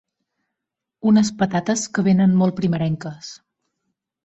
Unes patates que venen molt primerenques.